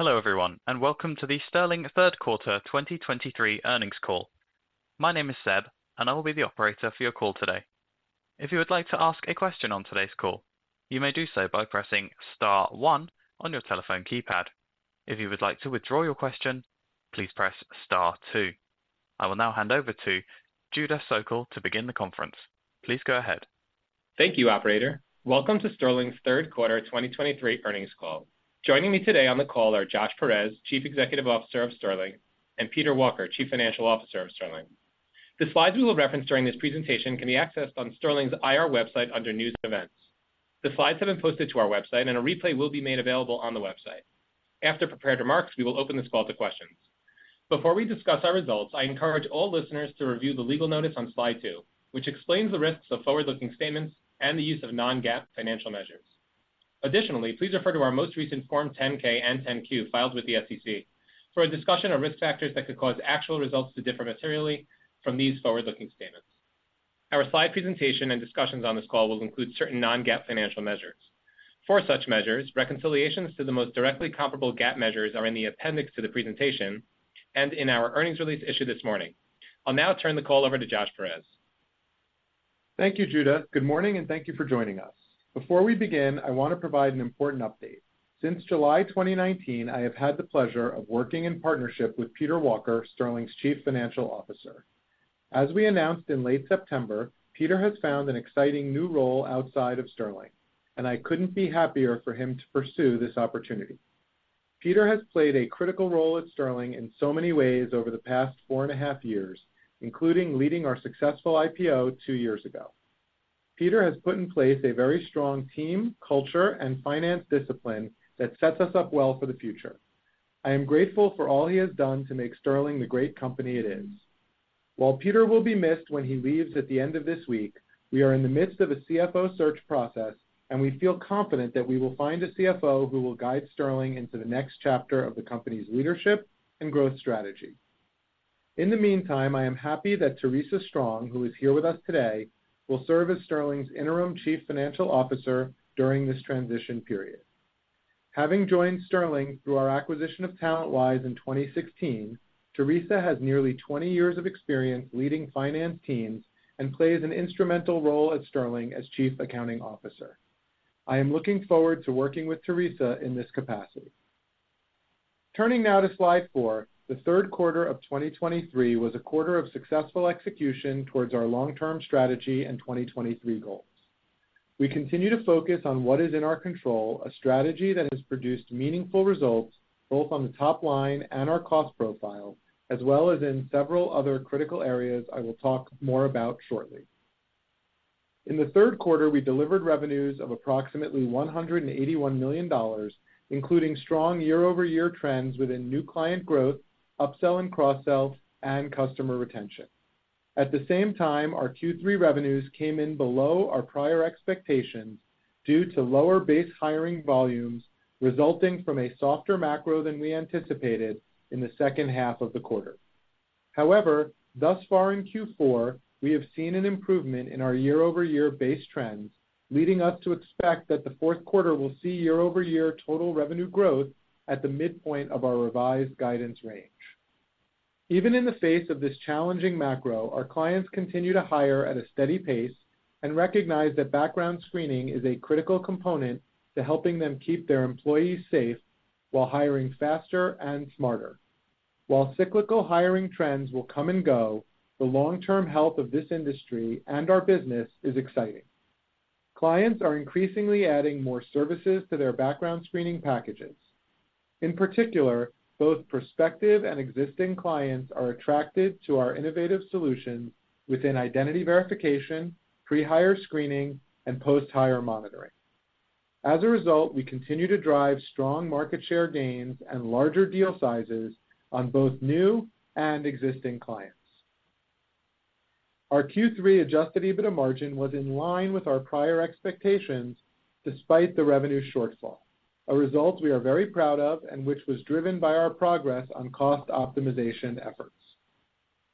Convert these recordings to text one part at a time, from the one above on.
Hello everyone, and welcome to the Sterling third quarter 2023 earnings call. My name is Seb, and I will be the operator for your call today. If you would like to ask a question on today's call, you may do so by pressing star one on your telephone keypad. If you would like to withdraw your question, please press star two. I will now hand over to Judah Sokel to begin the conference. Please go ahead. Thank you, operator. Welcome to Sterling's third quarter 2023 earnings call. Joining me today on the call are Josh Peirez, Chief Executive Officer of Sterling, and Peter Walker, Chief Financial Officer of Sterling. The slides we will reference during this presentation can be accessed on Sterling's IR website under News & Events. The slides have been posted to our website, and a replay will be made available on the website. After prepared remarks, we will open this call to questions. Before we discuss our results, I encourage all listeners to review the legal notice on slide two, which explains the risks of forward-looking statements and the use of non-GAAP financial measures. Additionally, please refer to our most recent Form 10-K and 10-Q filed with the SEC for a discussion of risk factors that could cause actual results to differ materially from these forward-looking statements. Our slide presentation and discussions on this call will include certain non-GAAP financial measures. For such measures, reconciliations to the most directly comparable GAAP measures are in the appendix to the presentation and in our earnings release issued this morning. I'll now turn the call over to Josh Peirez. Thank you, Judah. Good morning, and thank you for joining us. Before we begin, I want to provide an important update. Since July 2019, I have had the pleasure of working in partnership with Peter Walker, Sterling's Chief Financial Officer. As we announced in late September, Peter has found an exciting new role outside of Sterling, and I couldn't be happier for him to pursue this opportunity. Peter has played a critical role at Sterling in so many ways over the past four and a half years, including leading our successful IPO two years ago. Peter has put in place a very strong team, culture, and finance discipline that sets us up well for the future. I am grateful for all he has done to make Sterling the great company it is. While Peter will be missed when he leaves at the end of this week, we are in the midst of a CFO search process, and we feel confident that we will find a CFO who will guide Sterling into the next chapter of the company's leadership and growth strategy. In the meantime, I am happy that Theresa Strong, who is here with us today, will serve as Sterling's Interim Chief Financial Officer during this transition period. Having joined Sterling through our acquisition of TalentWise in 2016, Theresa has nearly 20 years of experience leading finance teams and plays an instrumental role at Sterling as Chief Accounting Officer. I am looking forward to working with Theresa in this capacity. Turning now to slide four, the third quarter of 2023 was a quarter of successful execution towards our long-term strategy and 2023 goals. We continue to focus on what is in our control, a strategy that has produced meaningful results both on the top line and our cost profile, as well as in several other critical areas I will talk more about shortly. In the third quarter, we delivered revenues of approximately $181 million, including strong year-over-year trends within new client growth, upsell and cross-sells, and customer retention. At the same time, our Q3 revenues came in below our prior expectations due to lower base hiring volumes, resulting from a softer macro than we anticipated in the second half of the quarter. However, thus far in Q4, we have seen an improvement in our year-over-year base trends, leading us to expect that the fourth quarter will see year-over-year total revenue growth at the midpoint of our revised guidance range. Even in the face of this challenging macro, our clients continue to hire at a steady pace and recognize that background screening is a critical component to helping them keep their employees safe while hiring faster and smarter. While cyclical hiring trends will come and go, the long-term health of this industry and our business is exciting. Clients are increasingly adding more services to their background screening packages. In particular, both prospective and existing clients are attracted to our innovative solutions within identity verification, pre-hire screening, and post-hire monitoring. As a result, we continue to drive strong market share gains and larger deal sizes on both new and existing clients. Our Q3 adjusted EBITDA margin was in line with our prior expectations, despite the revenue shortfall, a result we are very proud of and which was driven by our progress on cost optimization efforts.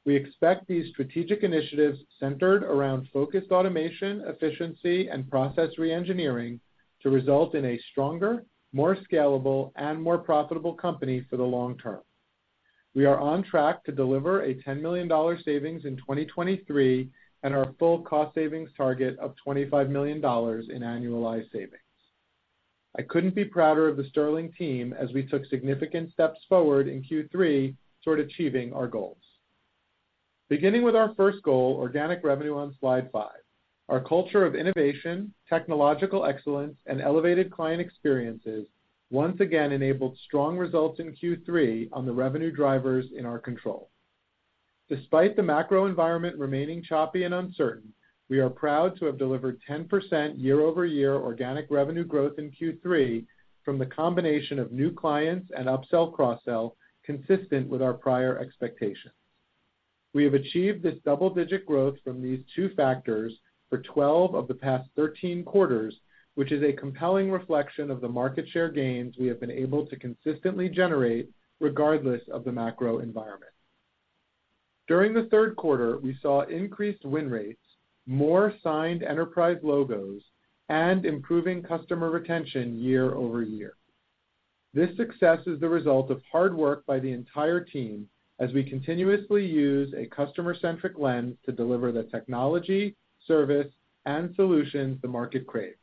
We expect these strategic initiatives centered around focused automation, efficiency, and process reengineering to result in a stronger, more scalable, and more profitable company for the long term. We are on track to deliver a $10 million savings in 2023 and our full cost savings target of $25 million in annualized savings. I couldn't be prouder of the Sterling team as we took significant steps forward in Q3 toward achieving our goals. Beginning with our first goal, organic revenue on slide five. Our culture of innovation, technological excellence, and elevated client experiences once again enabled strong results in Q3 on the revenue drivers in our control. Despite the macro environment remaining choppy and uncertain, we are proud to have delivered 10% year-over-year organic revenue growth in Q3 from the combination of new clients and upsell/cross-sell, consistent with our prior expectations. We have achieved this double-digit growth from these two factors for 12 of the past 13 quarters, which is a compelling reflection of the market share gains we have been able to consistently generate regardless of the macro environment. During the third quarter, we saw increased win rates, more signed enterprise logos, and improving customer retention year-over-year. This success is the result of hard work by the entire team as we continuously use a customer-centric lens to deliver the technology, service, and solutions the market craves.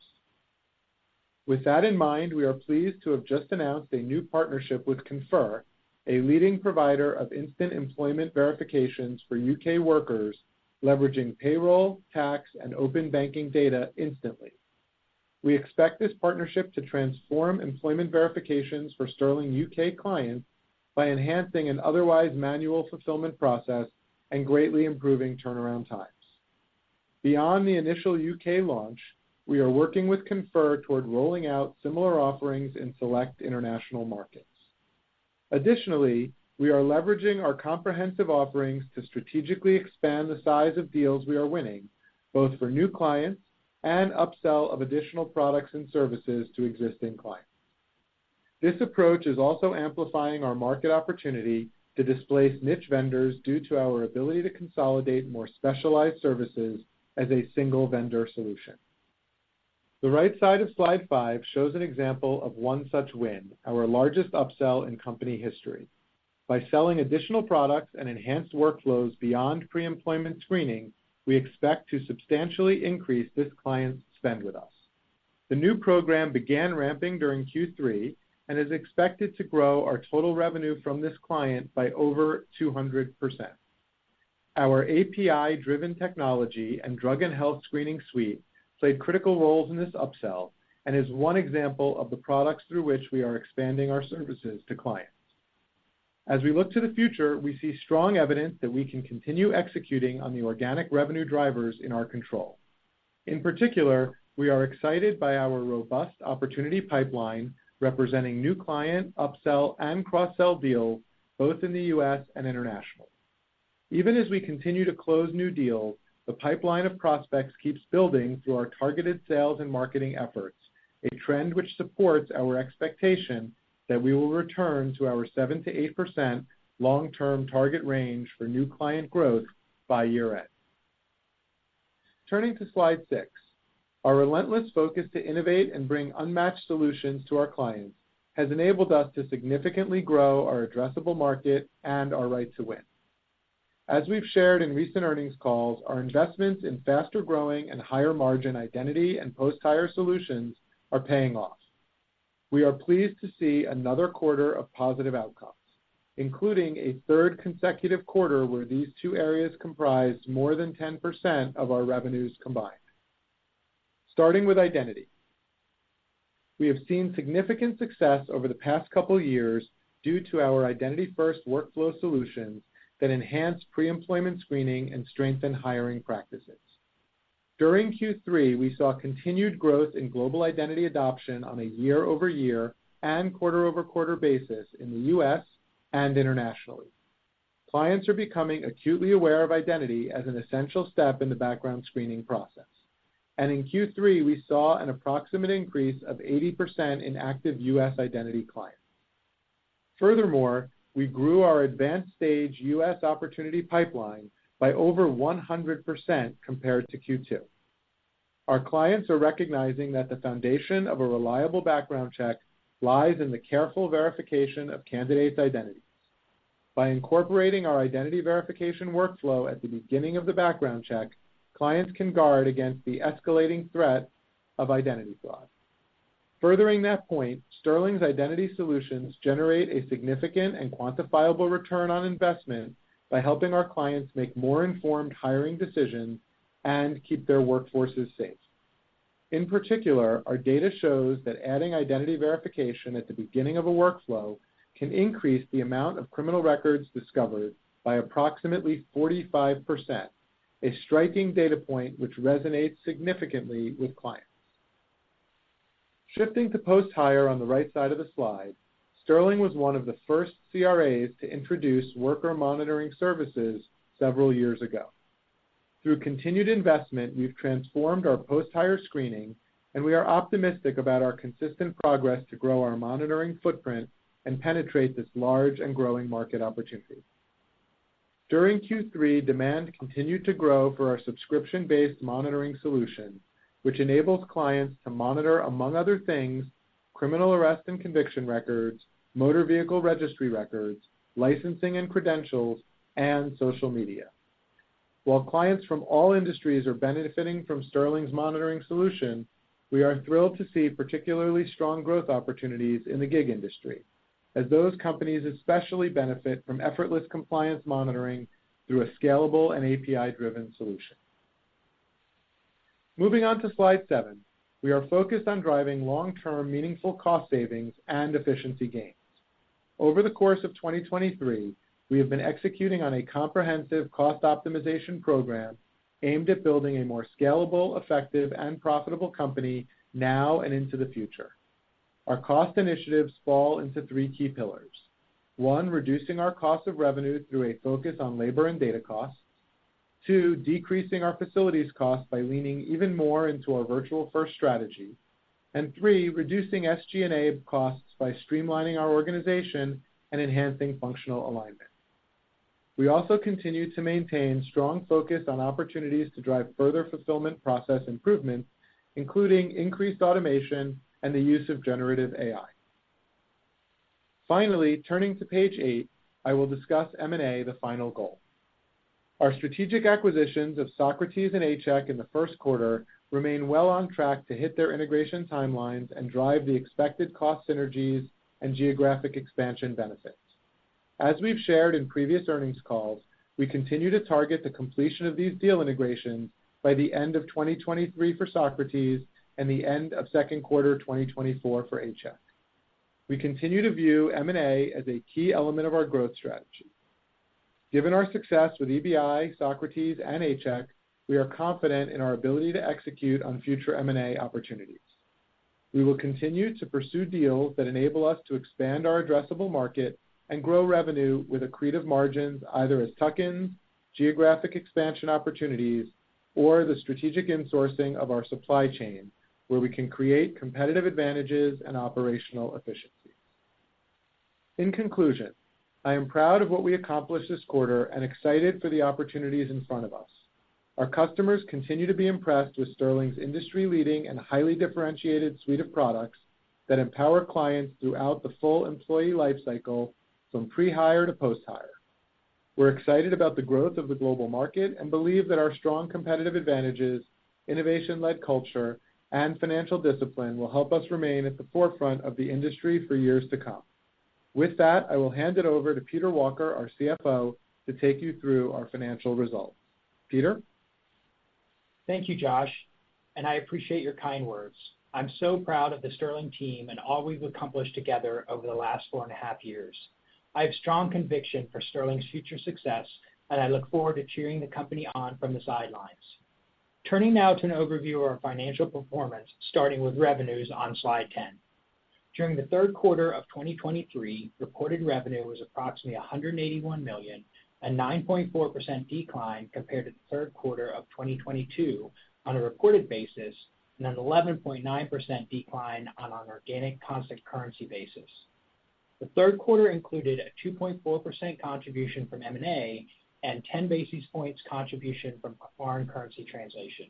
With that in mind, we are pleased to have just announced a new partnership with Konfir, a leading provider of instant employment verifications for U.K. workers, leveraging payroll, tax, and open banking data instantly. We expect this partnership to transform employment verifications for Sterling U.K. clients by enhancing an otherwise manual fulfillment process and greatly improving turnaround times. Beyond the initial U.K. launch, we are working with Konfir toward rolling out similar offerings in select international markets. Additionally, we are leveraging our comprehensive offerings to strategically expand the size of deals we are winning, both for new clients and upsell of additional products and services to existing clients. This approach is also amplifying our market opportunity to displace niche vendors due to our ability to consolidate more specialized services as a single vendor solution. The right side of slide five shows an example of one such win, our largest upsell in company history. By selling additional products and enhanced workflows beyond pre-employment screening, we expect to substantially increase this client's spend with us. The new program began ramping during Q3 and is expected to grow our total revenue from this client by over 200%. Our API-driven technology and drug and health screening suite played critical roles in this upsell and is one example of the products through which we are expanding our services to clients. As we look to the future, we see strong evidence that we can continue executing on the organic revenue drivers in our control. In particular, we are excited by our robust opportunity pipeline, representing new client, upsell, and cross-sell deals both in the U.S. and international. Even as we continue to close new deals, the pipeline of prospects keeps building through our targeted sales and marketing efforts, a trend which supports our expectation that we will return to our 7%-8% long-term target range for new client growth by year-end. Turning to slide six, our relentless focus to innovate and bring unmatched solutions to our clients has enabled us to significantly grow our addressable market and our right to win. As we've shared in recent earnings calls, our investments in faster-growing and higher-margin identity and post-hire solutions are paying off. We are pleased to see another quarter of positive outcomes, including a third consecutive quarter where these two areas comprise more than 10% of our revenues combined. Starting with identity, we have seen significant success over the past couple of years due to our identity-first workflow solutions that enhance pre-employment screening and strengthen hiring practices. During Q3, we saw continued growth in global identity adoption on a year-over-year and quarter-over-quarter basis in the U.S. and internationally. Clients are becoming acutely aware of identity as an essential step in the background screening process. In Q3, we saw an approximate increase of 80% in active U.S. identity clients. Furthermore, we grew our advanced-stage U.S. opportunity pipeline by over 100% compared to Q2. Our clients are recognizing that the foundation of a reliable background check lies in the careful verification of candidates' identities. By incorporating our identity verification workflow at the beginning of the background check, clients can guard against the escalating threat of identity fraud. Furthering that point, Sterling's identity solutions generate a significant and quantifiable return on investment by helping our clients make more informed hiring decisions and keep their workforces safe. In particular, our data shows that adding identity verification at the beginning of a workflow can increase the amount of criminal records discovered by approximately 45%, a striking data point which resonates significantly with clients. Shifting to post-hire on the right side of the slide, Sterling was one of the first CRAs to introduce worker monitoring services several years ago. Through continued investment, we've transformed our post-hire screening, and we are optimistic about our consistent progress to grow our monitoring footprint and penetrate this large and growing market opportunity. During Q3, demand continued to grow for our subscription-based monitoring solution, which enables clients to monitor, among other things, criminal arrest and conviction records, motor vehicle registry records, licensing and credentials, and social media. While clients from all industries are benefiting from Sterling's monitoring solution, we are thrilled to see particularly strong growth opportunities in the gig industry, as those companies especially benefit from effortless compliance monitoring through a scalable and API-driven solution. Moving on to slide seven, we are focused on driving long-term, meaningful cost savings and efficiency gains. Over the course of 2023, we have been executing on a comprehensive cost optimization program aimed at building a more scalable, effective, and profitable company now and into the future. Our cost initiatives fall into three key pillars. One, reducing our cost of revenue through a focus on labor and data costs, two, decreasing our facilities costs by leaning even more into our virtual-first strategy and three, reducing SG&A costs by streamlining our organization and enhancing functional alignment. We also continue to maintain strong focus on opportunities to drive further fulfillment process improvements, including increased automation and the use of generative AI. Finally, turning to page eight, I will discuss M&A, the final goal. Our strategic acquisitions of Socrates and A-Check in the first quarter remain well on track to hit their integration timelines and drive the expected cost synergies and geographic expansion benefits. As we've shared in previous earnings calls, we continue to target the completion of these deal integrations by the end of 2023 for Socrates and the end of second quarter 2024 for A-Check. We continue to view M&A as a key element of our growth strategy. Given our success with EBI, Socrates, and A-Check, we are confident in our ability to execute on future M&A opportunities. We will continue to pursue deals that enable us to expand our addressable market and grow revenue with accretive margins, either as tuck-ins, geographic expansion opportunities, or the strategic insourcing of our supply chain, where we can create competitive advantages and operational efficiencies. In conclusion, I am proud of what we accomplished this quarter and excited for the opportunities in front of us. Our customers continue to be impressed with Sterling's industry-leading and highly differentiated suite of products that empower clients throughout the full employee lifecycle, from pre-hire to post-hire. We're excited about the growth of the global market and believe that our strong competitive advantages, innovation-led culture, and financial discipline will help us remain at the forefront of the industry for years to come. With that, I will hand it over to Peter Walker, our CFO, to take you through our financial results. Peter? Thank you, Josh, and I appreciate your kind words. I'm so proud of the Sterling team and all we've accomplished together over the last four and a half years. I have strong conviction for Sterling's future success, and I look forward to cheering the company on from the sidelines. Turning now to an overview of our financial performance, starting with revenues on slide 10. During the third quarter of 2023, reported revenue was approximately $181 million, a 9.4% decline compared to the third quarter of 2022 on a reported basis, and an 11.9% decline on an organic constant currency basis. The third quarter included a 2.4% contribution from M&A and 10 basis points contribution from foreign currency translation.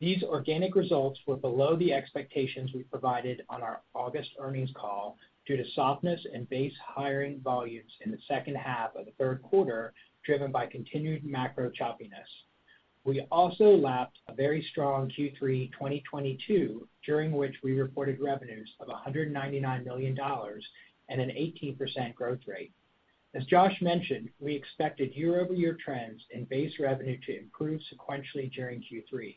These organic results were below the expectations we provided on our August earnings call due to softness in base hiring volumes in the second half of the third quarter, driven by continued macro choppiness. We also lapped a very strong Q3 2022, during which we reported revenues of $199 million and an 18% growth rate. As Josh mentioned, we expected year-over-year trends in base revenue to improve sequentially during Q3.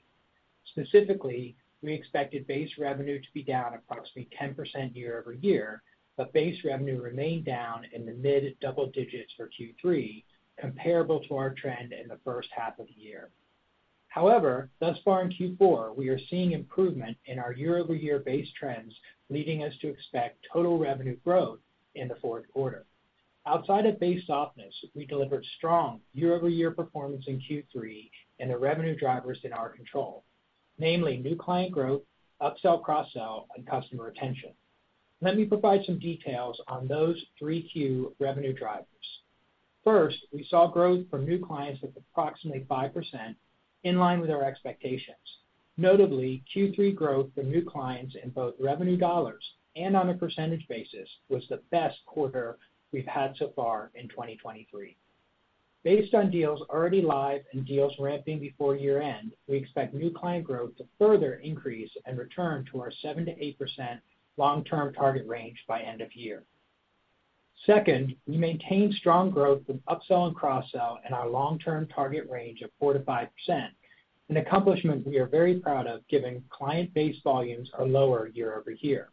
Specifically, we expected base revenue to be down approximately 10% year over year, but base revenue remained down in the mid double digits for Q3, comparable to our trend in the first half of the year. However, thus far in Q4, we are seeing improvement in our year-over-year base trends, leading us to expect total revenue growth in the fourth quarter. Outside of base softness, we delivered strong year-over-year performance in Q3 and the revenue drivers in our control, namely, new client growth, upsell, cross-sell, and customer retention. Let me provide some details on those three key revenue drivers. First, we saw growth from new clients of approximately 5%, in line with our expectations. Notably, Q3 growth for new clients in both revenue dollars and on a percentage basis was the best quarter we've had so far in 2023. Based on deals already live and deals ramping before year-end, we expect new client growth to further increase and return to our 7%-8% long-term target range by end of year. Second, we maintained strong growth with upsell and cross-sell in our long-term target range of 4%-5%, an accomplishment we are very proud of, given client base volumes are lower year over year.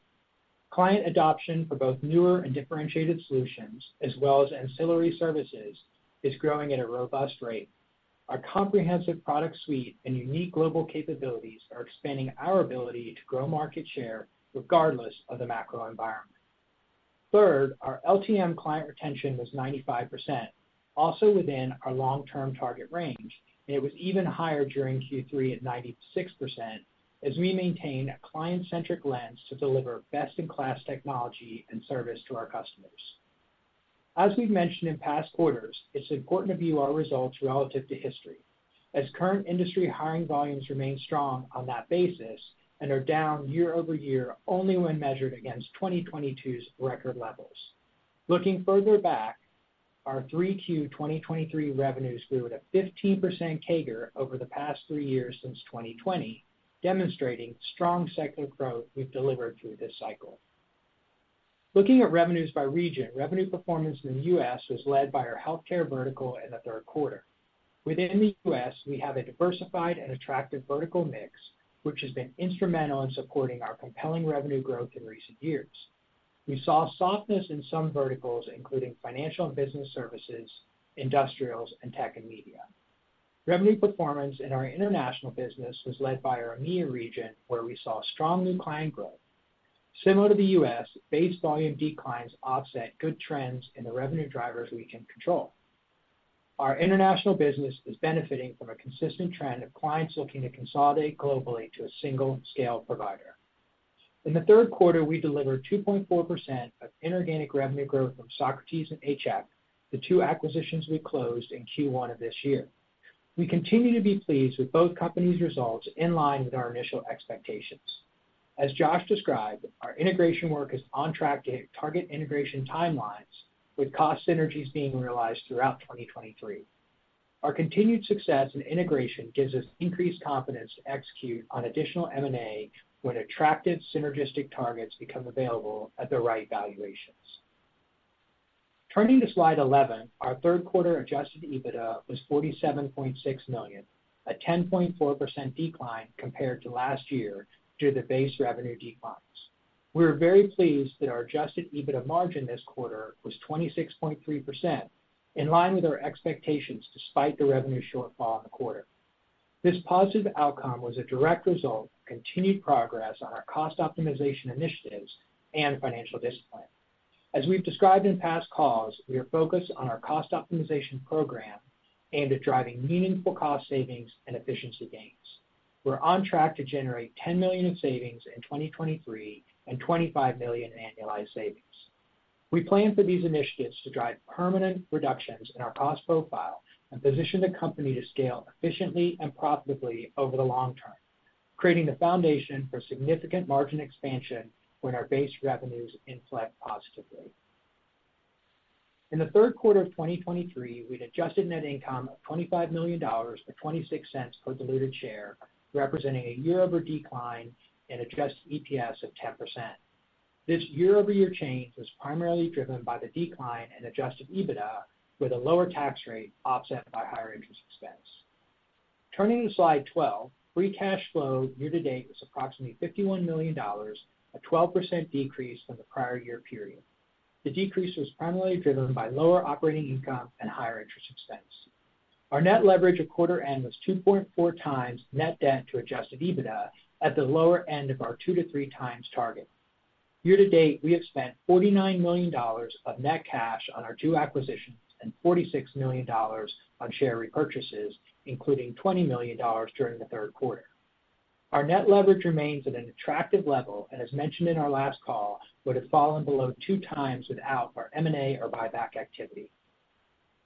Client adoption for both newer and differentiated solutions, as well as ancillary services, is growing at a robust rate. Our comprehensive product suite and unique global capabilities are expanding our ability to grow market share regardless of the macro environment. Third, our LTM client retention was 95%, also within our long-term target range, and it was even higher during Q3 at 96%, as we maintain a client-centric lens to deliver best-in-class technology and service to our customers. As we've mentioned in past quarters, it's important to view our results relative to history, as current industry hiring volumes remain strong on that basis and are down year over year only when measured against 2022's record levels. Looking further back, our 3Q 2023 revenues grew at a 15% CAGR over the past three years since 2020, demonstrating strong secular growth we've delivered through this cycle. Looking at revenues by region, revenue performance in the U.S. was led by our healthcare vertical in the third quarter. Within the U.S., we have a diversified and attractive vertical mix, which has been instrumental in supporting our compelling revenue growth in recent years. We saw softness in some verticals, including financial and business services, industrials, and tech and media. Revenue performance in our international business was led by our EMEA region, where we saw strong new client growth. Similar to the U.S., base volume declines offset good trends in the revenue drivers we can control. Our international business is benefiting from a consistent trend of clients looking to consolidate globally to a single scale provider. In the third quarter, we delivered 2.4% of inorganic revenue growth from Socrates and A-Check, the two acquisitions we closed in Q1 of this year. We continue to be pleased with both companies' results in line with our initial expectations. As Josh described, our integration work is on track to hit target integration timelines, with cost synergies being realized throughout 2023. Our continued success in integration gives us increased confidence to execute on additional M&A when attractive synergistic targets become available at the right valuations. Turning to Slide 11, our third quarter adjusted EBITDA was $47.6 million, a 10.4% decline compared to last year due to the base revenue declines. We are very pleased that our adjusted EBITDA margin this quarter was 26.3%, in line with our expectations despite the revenue shortfall in the quarter. This positive outcome was a direct result of continued progress on our cost optimization initiatives and financial discipline. As we've described in past calls, we are focused on our cost optimization program and are driving meaningful cost savings and efficiency gains. We're on track to generate $10 million in savings in 2023 and $25 million in annualized savings. We plan for these initiatives to drive permanent reductions in our cost profile and position the company to scale efficiently and profitably over the long term, creating the foundation for significant margin expansion when our base revenues inflate positively. In the third quarter of 2023, we had adjusted net income of $25 million, or $0.26 per diluted share, representing a year-over-year decline in adjusted EPS of 10%. This year-over-year change was primarily driven by the decline in adjusted EBITDA, with a lower tax rate offset by higher interest expense. Turning to Slide 12, free cash flow year-to-date was approximately $51 million, a 12% decrease from the prior-year period. The decrease was primarily driven by lower operating income and higher interest expense. Our net leverage at quarter-end was 2.4x net debt to adjusted EBITDA at the lower end of our 2-3x target. Year-to-date, we have spent $49 million of net cash on our two acquisitions and $46 million on share repurchases, including $20 million during the third quarter. Our net leverage remains at an attractive level, and as mentioned in our last call, would have fallen below 2x without our M&A or buyback activity.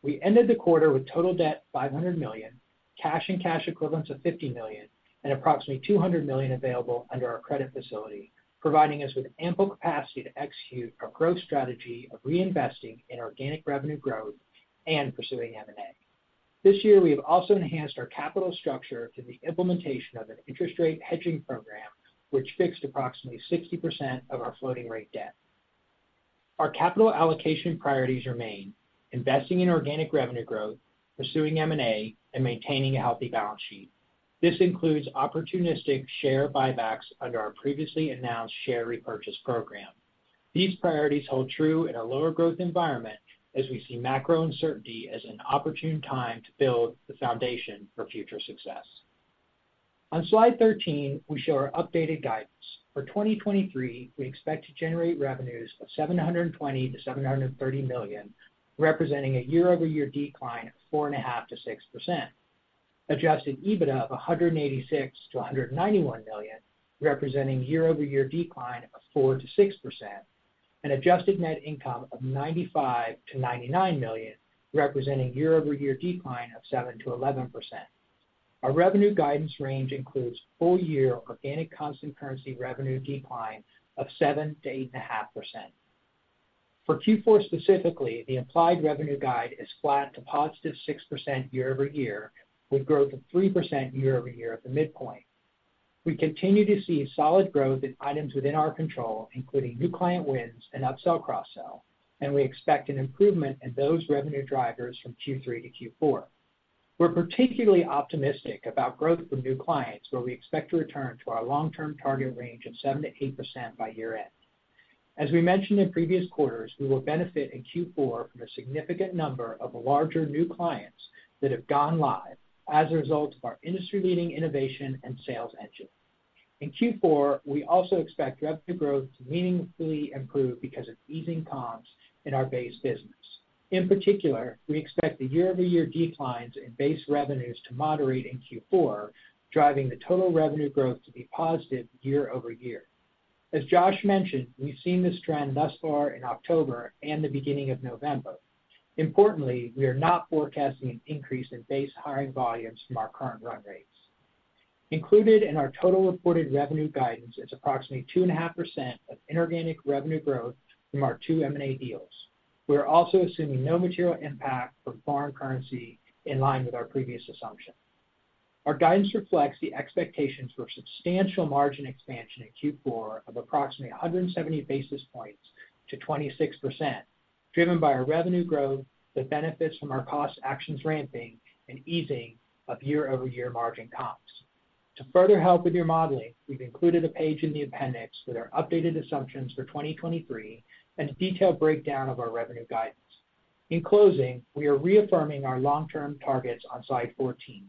We ended the quarter with total debt $500 million, cash and cash equivalents of $50 million, and approximately $200 million available under our credit facility, providing us with ample capacity to execute our growth strategy of reinvesting in organic revenue growth and pursuing M&A. This year, we have also enhanced our capital structure through the implementation of an interest rate hedging program, which fixed approximately 60% of our floating rate debt. Our capital allocation priorities remain: investing in organic revenue growth, pursuing M&A, and maintaining a healthy balance sheet. This includes opportunistic share buybacks under our previously announced share repurchase program. These priorities hold true in a lower growth environment, as we see macro uncertainty as an opportune time to build the foundation for future success. On Slide 13, we show our updated guidance. For 2023, we expect to generate revenues of $720 million-$730 million, representing a year-over-year decline of 4.5%-6%. Adjusted EBITDA of $186 million-$191 million, representing year-over-year decline of 4%-6%, and adjusted net income of $95 million-$99 million, representing year-over-year decline of 7%-11%. Our revenue guidance range includes full year organic constant currency revenue decline of 7%-8.5%. For Q4 specifically, the implied revenue guide is flat to positive 6% year-over-year, with growth of 3% year-over-year at the midpoint. We continue to see solid growth in items within our control, including new client wins and upsell cross-sell, and we expect an improvement in those revenue drivers from Q3 to Q4. We're particularly optimistic about growth from new clients, where we expect to return to our long-term target range of 7%-8% by year-end. As we mentioned in previous quarters, we will benefit in Q4 from a significant number of larger new clients that have gone live as a result of our industry-leading innovation and sales engine. In Q4, we also expect revenue growth to meaningfully improve because of easing comps in our base business. In particular, we expect the year-over-year declines in base revenues to moderate in Q4, driving the total revenue growth to be positive year over year. As Josh mentioned, we've seen this trend thus far in October and the beginning of November. Importantly, we are not forecasting an increase in base hiring volumes from our current run rates. Included in our total reported revenue guidance is approximately 2.5% of inorganic revenue growth from our two M&A deals. We are also assuming no material impact from foreign currency in line with our previous assumption. Our guidance reflects the expectations for substantial margin expansion in Q4 of approximately 170 basis points to 26%, driven by our revenue growth that benefits from our cost actions ramping and easing of year-over-year margin comps. To further help with your modeling, we've included a page in the appendix with our updated assumptions for 2023 and a detailed breakdown of our revenue guidance. In closing, we are reaffirming our long-term targets on slide 14.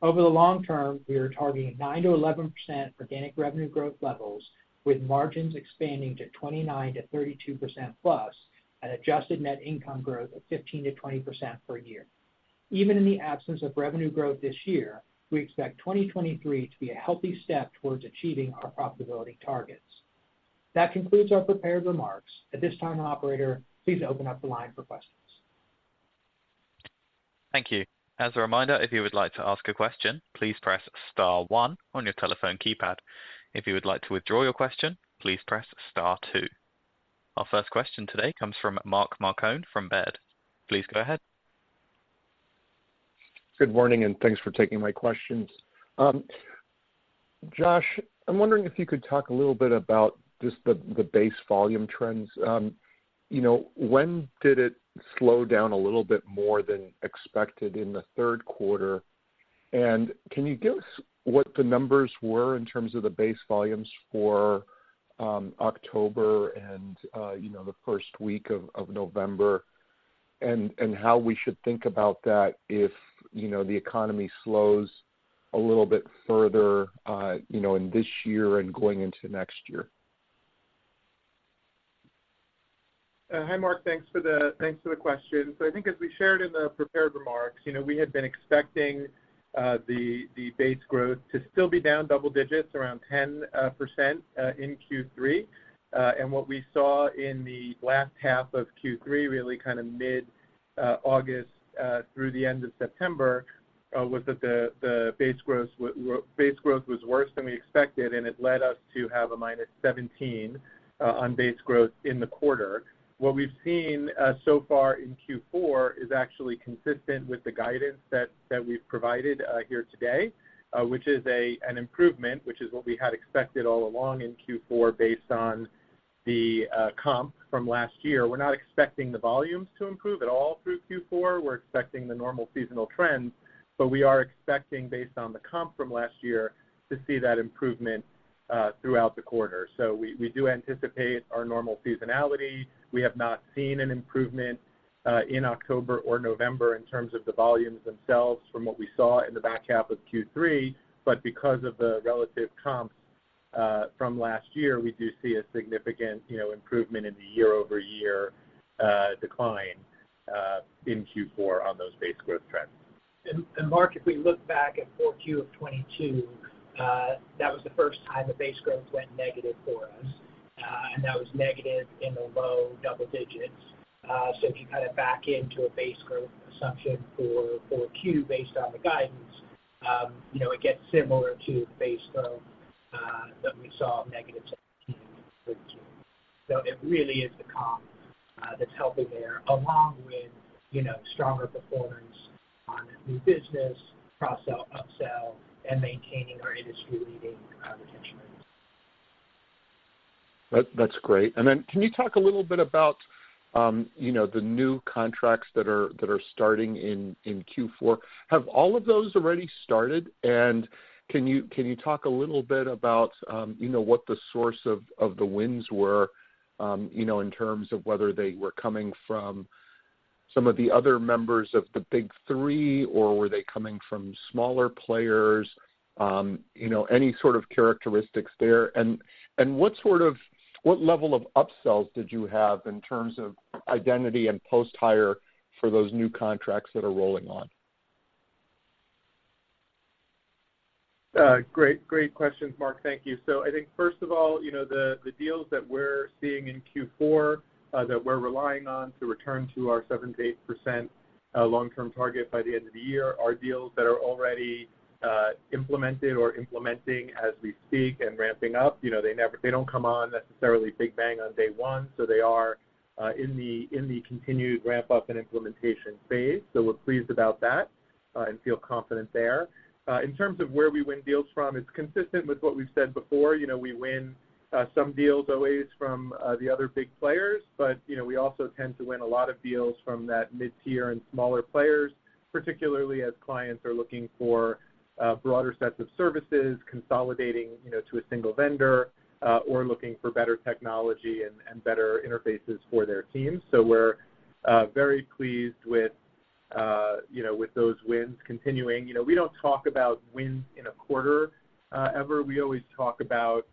Over the long term, we are targeting 9%-11% organic revenue growth levels, with margins expanding to 29%-32%+ an adjusted net income growth of 15%-20% per year. Even in the absence of revenue growth this year, we expect 2023 to be a healthy step towards achieving our profitability targets. That concludes our prepared remarks. At this time, operator, please open up the line for questions. Thank you. As a reminder, if you would like to ask a question, please press star one on your telephone keypad. If you would like to withdraw your question, please press star two. Our first question today comes from Mark Marcon from Baird. Please go ahead. Good morning, and thanks for taking my questions. Josh, I'm wondering if you could talk a little bit about just the base volume trends. You know, when did it slow down a little bit more than expected in the third quarter? And can you give us what the numbers were in terms of the base volumes for October and, you know, the first week of November? And how we should think about that if, you know, the economy slows a little bit further, you know, in this year and going into next year? Hi, Mark. Thanks for the question. So I think as we shared in the prepared remarks, you know, we had been expecting the base growth to still be down double digits, around 10%, in Q3. And what we saw in the last half of Q3, really kind of mid-August through the end of September, was that the base growth was worse than we expected, and it led us to have a -17% on base growth in the quarter. What we've seen so far in Q4 is actually consistent with the guidance that we've provided here today, which is an improvement, which is what we had expected all along in Q4, based on the comp from last year. We're not expecting the volumes to improve at all through Q4. We're expecting the normal seasonal trends, but we are expecting, based on the comp from last year, to see that improvement throughout the quarter. So we do anticipate our normal seasonality. We have not seen an improvement in October or November in terms of the volumes themselves from what we saw in the back half of Q3. But because of the relative comps from last year, we do see a significant, you know, improvement in the year-over-year decline in Q4 on those base growth trends. Mark, if we look back at 4Q of 2022, that was the first time the base growth went negative for us, and that was negative in the low double digits. So if you kind of back into a base growth assumption for 4Q based on the guidance, you know, it gets similar to the base growth that we saw, negative 17 in 2022. So it really is the comp that's helping there, along with, you know, stronger performance on new business, cross-sell, upsell, and maintaining our industry-leading retention rates. That's great. Then can you talk a little bit about, you know, the new contracts that are starting in Q4? Have all of those already started, and can you talk a little bit about, you know, what the source of the wins were, you know, in terms of whether they were coming from some of the other members of the big three, or were they coming from smaller players? You know, any sort of characteristics there. And what level of upsells did you have in terms of identity and post-hire for those new contracts that are rolling on? Great, great questions, Mark. Thank you. So I think first of all, you know, the deals that we're seeing in Q4, that we're relying on to return to our 7%-8% long-term target by the end of the year, are deals that are already implemented or implementing as we speak and ramping up. You know, they don't come on necessarily big bang on day one, so they are in the continued ramp-up and implementation phase. So we're pleased about that and feel confident there. In terms of where we win deals from, it's consistent with what we've said before. You know, we win some deals always from the other big players, but, you know, we also tend to win a lot of deals from that mid-tier and smaller players, particularly as clients are looking for broader sets of services, consolidating, you know, to a single vendor, or looking for better technology and better interfaces for their teams. So we're very pleased with you know with those wins continuing. You know, we don't talk about wins in a quarter ever. We always talk about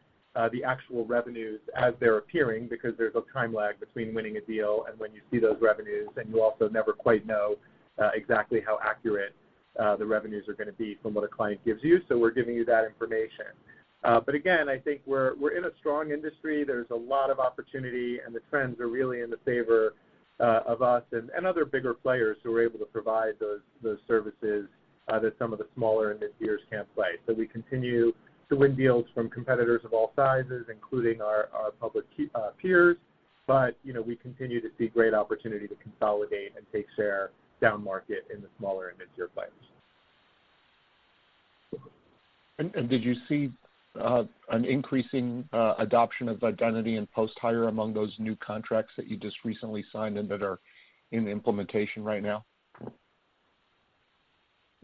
the actual revenues as they're appearing, because there's a time lag between winning a deal and when you see those revenues, and you also never quite know exactly how accurate the revenues are gonna be from what a client gives you. So we're giving you that information. But again, I think we're in a strong industry. There's a lot of opportunity, and the trends are really in the favor of us and other bigger players who are able to provide those services that some of the smaller and mid-tiers can't provide. So we continue to win deals from competitors of all sizes, including our public peers. But, you know, we continue to see great opportunity to consolidate and take share downmarket in the smaller and mid-tier players. Did you see an increasing adoption of identity and post-hire among those new contracts that you just recently signed and that are in implementation right now?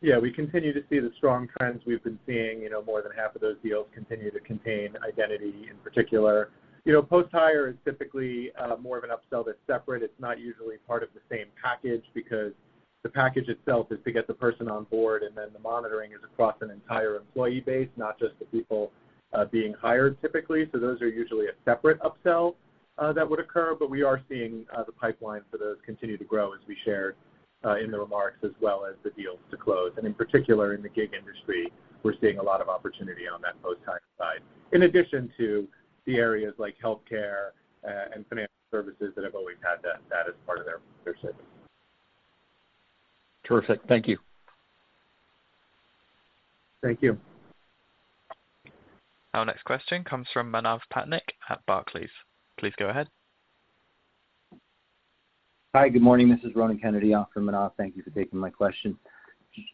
Yeah, we continue to see the strong trends we've been seeing. You know, more than half of those deals continue to contain identity in particular. You know, post-hire is typically more of an upsell that's separate. It's not usually part of the same package because the package itself is to get the person on board, and then the monitoring is across an entire employee base, not just the people being hired typically. So those are usually a separate upsell that would occur, but we are seeing the pipeline for those continue to grow as we shared in the remarks as well as the deals to close. And in particular, in the gig industry, we're seeing a lot of opportunity on that post-hire side, in addition to the areas like healthcare and financial services that have always had that as part of their service. Terrific. Thank you. Thank you. Our next question comes from Manav Patnaik at Barclays. Please go ahead. Hi, good morning. This is Ronan Kennedy on for Manav. Thank you for taking my question.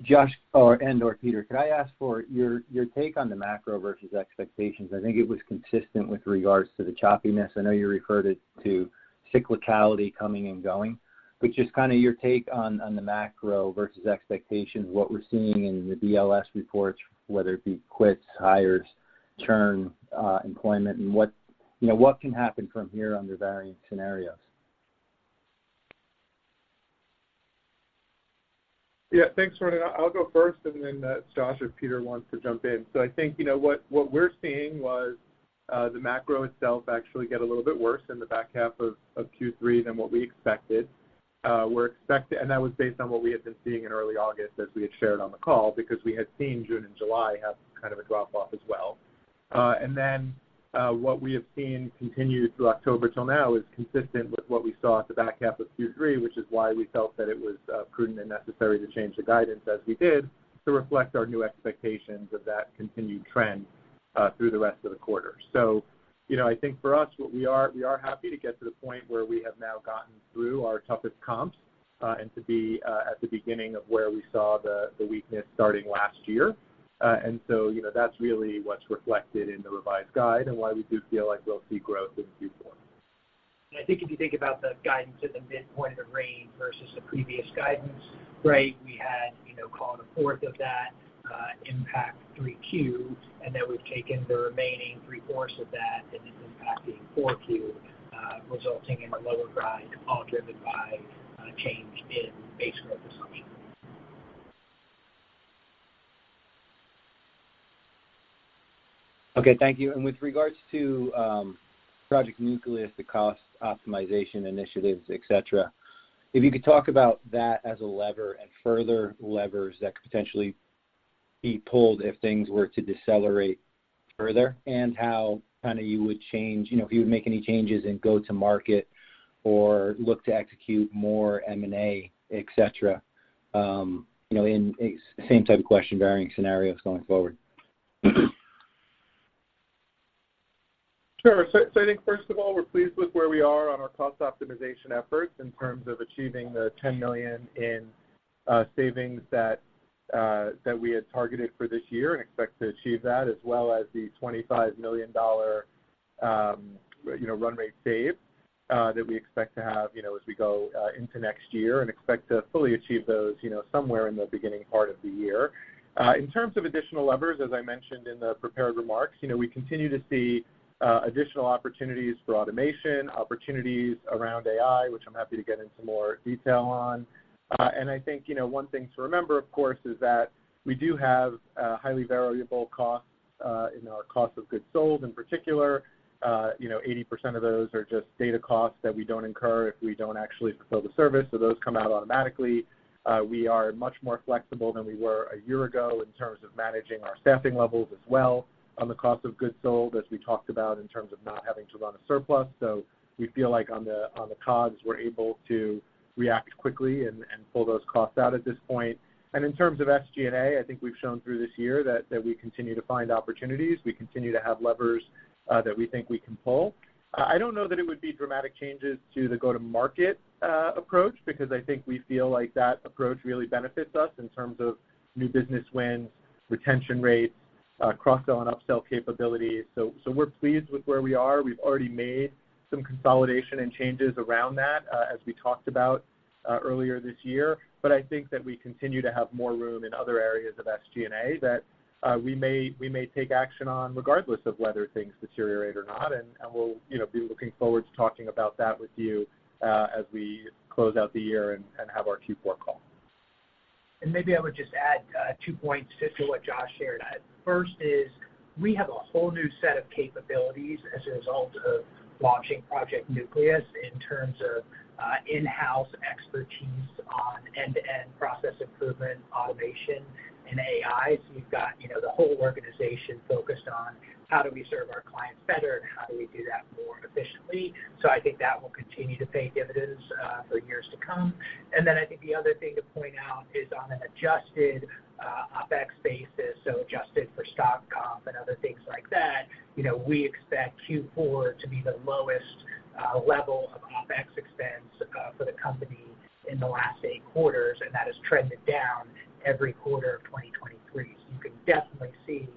Josh, or and/or Peter, could I ask for your, your take on the macro versus expectations? I think it was consistent with regards to the choppiness. I know you referred it to cyclicality coming and going, but just kind of your take on the macro versus expectations, what we're seeing in the BLS reports, whether it be quits, hires, churn, employment, and what, you know, what can happen from here under varying scenarios? Yeah, thanks, Ronan. I'll go first, and then Josh or Peter wants to jump in. So I think, you know, what we're seeing was the macro itself actually get a little bit worse in the back half of Q3 than what we expected. And that was based on what we had been seeing in early August, as we had shared on the call, because we had seen June and July have kind of a drop-off as well. And then what we have seen continue through October till now is consistent with what we saw at the back half of Q3, which is why we felt that it was prudent and necessary to change the guidance as we did, to reflect our new expectations of that continued trend through the rest of the quarter. So, you know, I think for us, we are happy to get to the point where we have now gotten through our toughest comps, and to be at the beginning of where we saw the weakness starting last year. So, you know, that's really what's reflected in the revised guide and why we do feel like we'll see growth in Q4. I think if you think about the guidance at the midpoint of the range versus the previous guidance, right? We had, you know, called one-fourth of that impact Q3, and then we've taken the remaining 3/4 of that, and it's impacting Q4, resulting in a lower guide, all driven by change in base growth assumption. Okay, thank you. With regards to Project Nucleus, the cost optimization initiatives, et cetera, if you could talk about that as a lever and further levers that could potentially be pulled if things were to decelerate further, and how kind of you would change... You know, if you would make any changes in go-to-market or look to execute more M&A, et cetera, you know, in a same type of question, varying scenarios going forward. Sure. So, so I think first of all, we're pleased with where we are on our cost optimization efforts in terms of achieving the $10 million in savings that that we had targeted for this year and expect to achieve that, as well as the $25 million dollar, you know, run rate save that we expect to have, you know, as we go into next year, and expect to fully achieve those, you know, somewhere in the beginning part of the year. In terms of additional levers, as I mentioned in the prepared remarks, you know, we continue to see additional opportunities for automation, opportunities around AI, which I'm happy to get into more detail on. I think, you know, one thing to remember, of course, is that we do have highly variable costs in our cost of goods sold. In particular, you know, 80% of those are just data costs that we don't incur if we don't actually fulfill the service, so those come out automatically. We are much more flexible than we were a year ago in terms of managing our staffing levels as well on the cost of goods sold, as we talked about in terms of not having to run a surplus. So we feel like on the COGS, we're able to react quickly and pull those costs out at this point. And in terms of SG&A, I think we've shown through this year that we continue to find opportunities. We continue to have levers that we think we can pull. I don't know that it would be dramatic changes to the go-to-market approach, because I think we feel like that approach really benefits us in terms of new business wins, retention rates, cross-sell and upsell capabilities. So we're pleased with where we are. We've already made some consolidation and changes around that, as we talked about earlier this year. But I think that we continue to have more room in other areas of SG&A that we may take action on regardless of whether things deteriorate or not. And we'll, you know, be looking forward to talking about that with you as we close out the year and have our Q4 call. Maybe I would just add two points just to what Josh shared. First is, we have a whole new set of capabilities as a result of launching Project Nucleus in terms of in-house expertise on end-to-end process improvement, automation and AI. So we've got, you know, the whole organization focused on how do we serve our clients better, and how do we do that more efficiently. So I think that will continue to pay dividends for years to come. And then I think the other thing to point out is on an adjusted OpEx basis, so adjusted for stock comp and other things like that, you know, we expect Q4 to be the lowest level of OpEx expense for the company in the last eight quarters, and that has trended down every quarter of 2023. So you can definitely see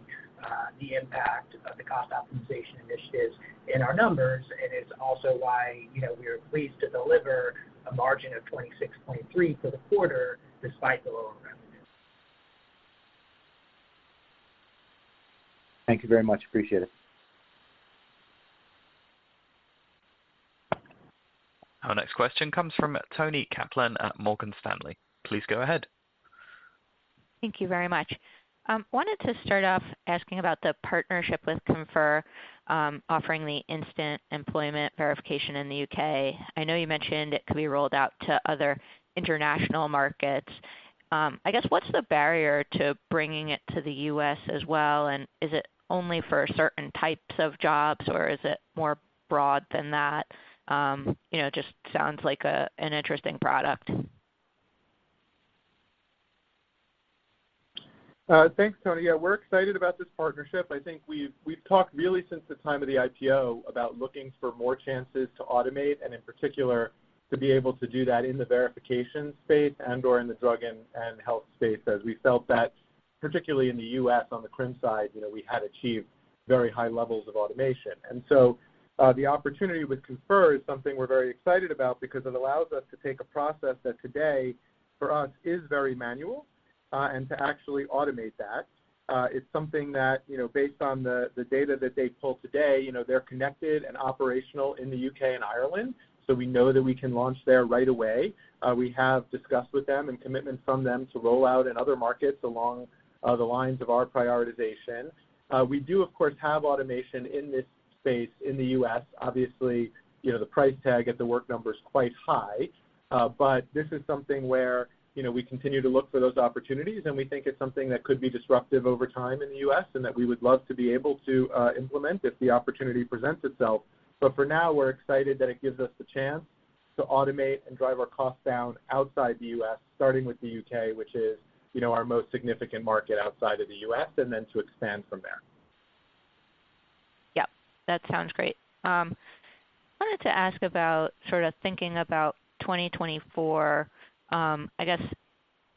the impact of the cost optimization initiatives in our numbers, and it's also why, you know, we are pleased to deliver a margin of 26.3% for the quarter despite the overall reduction. Thank you very much. Appreciate it. Our next question comes from Toni Kaplan at Morgan Stanley. Please go ahead. Thank you very much. Wanted to start off asking about the partnership with Konfir, offering the instant employment verification in the U.K. I know you mentioned it could be rolled out to other international markets. I guess, what's the barrier to bringing it to the U.S. as well? And is it only for certain types of jobs, or is it more broad than that? You know, it just sounds like an interesting product. Thanks, Toni. Yeah, we're excited about this partnership. I think we've talked really since the time of the IPO about looking for more chances to automate, and in particular, to be able to do that in the verification space and/or in the drug and health space, as we felt that, particularly in the U.S., on the crim side, you know, we had achieved very high levels of automation. And so, the opportunity with Konfir is something we're very excited about because it allows us to take a process that today, for us, is very manual, and to actually automate that. It's something that, you know, based on the data that they pull today, you know, they're connected and operational in the U.K. and Ireland, so we know that we can launch there right away. We have discussed with them and commitment from them to roll out in other markets along the lines of our prioritization. We do, of course, have automation in this space in the U.S. Obviously, you know, the price tag at The Work Number is quite high, but this is something where, you know, we continue to look for those opportunities, and we think it's something that could be disruptive over time in the U.S. and that we would love to be able to implement if the opportunity presents itself. But for now, we're excited that it gives us the chance to automate and drive our costs down outside the U.S., starting with the U.K., which is, you know, our most significant market outside of the U.S., and then to expand from there. Yep, that sounds great. I wanted to ask about sort of thinking about 2024, I guess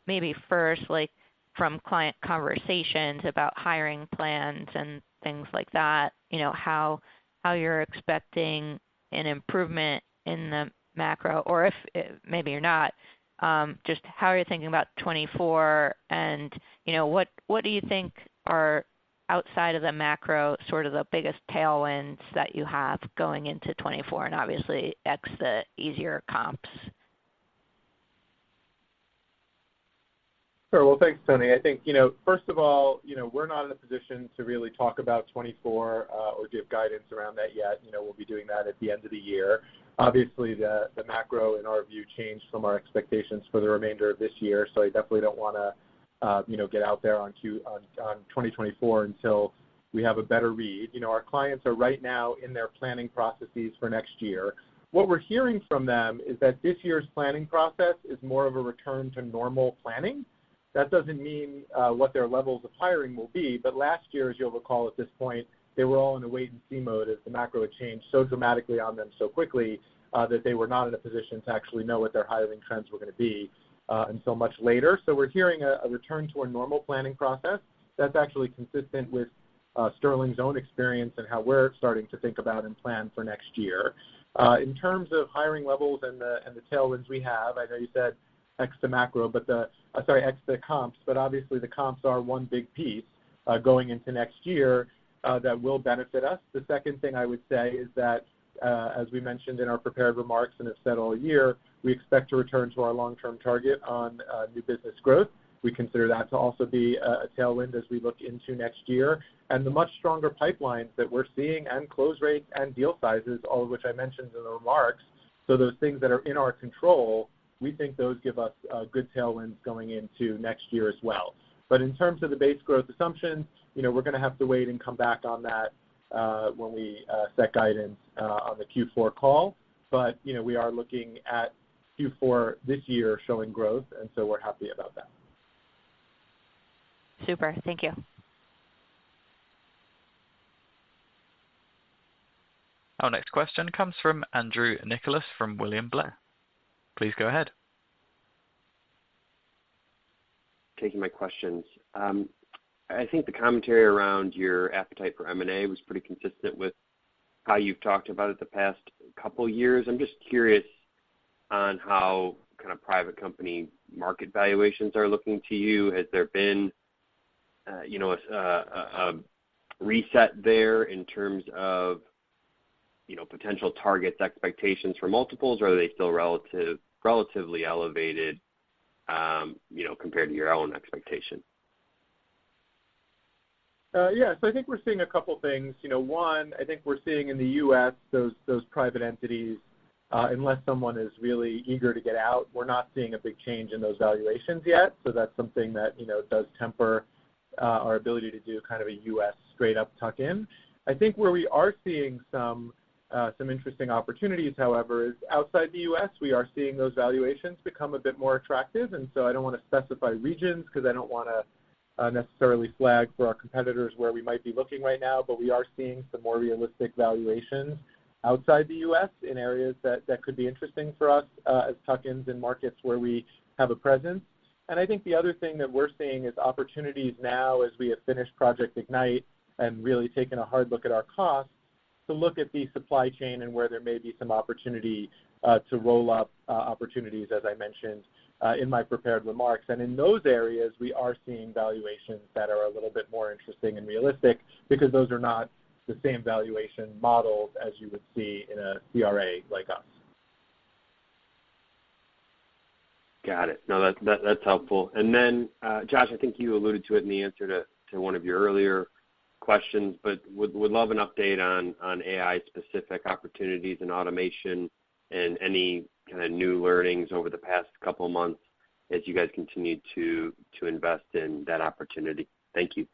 maybe first, like, from client conversations about hiring plans and things like that, you know, how, how you're expecting an improvement in the macro, or if maybe you're not, just how are you thinking about 2024? And, you know, what, what do you think are, outside of the macro, sort of the biggest tailwinds that you have going into 2024, and obviously, ex the easier comps? Sure. Well, thanks, Toni. I think, you know, first of all, you know, we're not in a position to really talk about 2024 or give guidance around that yet. You know, we'll be doing that at the end of the year. Obviously, the macro, in our view, changed from our expectations for the remainder of this year, so I definitely don't wanna, you know, get out there on 2024 until we have a better read. You know, our clients are right now in their planning processes for next year. What we're hearing from them is that this year's planning process is more of a return to normal planning. That doesn't mean what their levels of hiring will be, but last year, as you'll recall, at this point, they were all in a wait-and-see mode as the macro had changed so dramatically on them so quickly that they were not in a position to actually know what their hiring trends were gonna be until much later. So we're hearing a return to a normal planning process. That's actually consistent with Sterling's own experience and how we're starting to think about and plan for next year. In terms of hiring levels and the tailwinds we have, I know you said ex the macro, but ex the comps, but obviously, the comps are one big piece going into next year that will benefit us. The second thing I would say is that, as we mentioned in our prepared remarks and have said all year, we expect to return to our long-term target on, new business growth. We consider that to also be a tailwind as we look into next year. And the much stronger pipelines that we're seeing, and close rates and deal sizes, all of which I mentioned in the remarks, so those things that are in our control, we think those give us, good tailwinds going into next year as well. But in terms of the base growth assumptions, you know, we're gonna have to wait and come back on that, when we set guidance, on the Q4 call. But, you know, we are looking at Q4 this year showing growth, and so we're happy about that. Super. Thank you. Our next question comes from Andrew Nicholas, from William Blair. Please go ahead. Taking my questions. I think the commentary around your appetite for M&A was pretty consistent with how you've talked about it the past couple years. I'm just curious on how kind of private company market valuations are looking to you. Has there been, you know, a reset there in terms of, you know, potential targets, expectations for multiples, or are they still relatively elevated, you know, compared to your own expectation? Yeah, so I think we're seeing a couple things. You know, one, I think we're seeing in the U.S., those, those private entities, unless someone is really eager to get out, we're not seeing a big change in those valuations yet. So that's something that, you know, does temper, our ability to do kind of a U.S. straight up tuck-in. I think where we are seeing some, some interesting opportunities, however, is outside the U.S., we are seeing those valuations become a bit more attractive, and so I don't wanna specify regions because I don't wanna, necessarily flag for our competitors where we might be looking right now. But we are seeing some more realistic valuations outside the U.S. in areas that, that could be interesting for us, as tuck-ins in markets where we have a presence. I think the other thing that we're seeing is opportunities now, as we have finished Project Ignite and really taken a hard look at our costs to look at the supply chain and where there may be some opportunity to roll up opportunities, as I mentioned, in my prepared remarks. And in those areas, we are seeing valuations that are a little bit more interesting and realistic because those are not the same valuation models as you would see in a CRA like us. Got it. No, that, that's helpful. And then, Josh, I think you alluded to it in the answer to one of your earlier questions, but would love an update on AI-specific opportunities in automation and any kind of new learnings over the past couple of months as you guys continue to invest in that opportunity. Thank you.